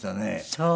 そう。